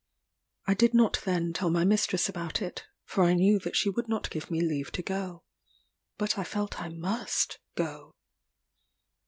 I did not then tell my mistress about it; for I knew that she would not give me leave to go. But I felt I must go.